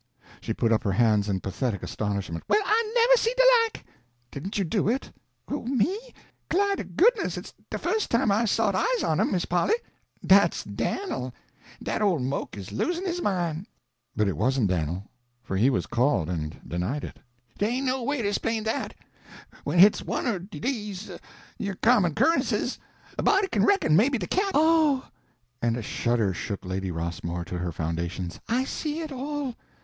She put up her hands in pathetic astonishment. "Well, I never see de like!" "Didn't you do it?" "Who, me? Clah to goodness it's de fust time I've sot eyes on 'em, Miss Polly. Dat's Dan'l. Dat ole moke is losin' his mine." p088.jpg (16K) But it wasn't Dan'l, for he was called, and denied it. "Dey ain't no way to 'splain dat. Wen hit's one er dese yer common 'currences, a body kin reckon maybe de cat—" "Oh!" and a shudder shook Lady Rossmore to her foundations. "I see it all.